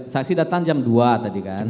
saksi datang jam dua tadi kan